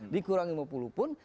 dikurang lima puluh pun